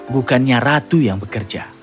bukannya ratu yang bekerja